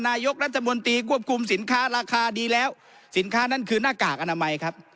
นายกรัฐมนตรีควบคุมสินค้าราคาดีแล้วสินค้านั่นคือหน้ากากอนามัยครับ